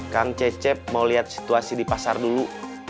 kang cecep mau lihat situasi di pasar dulu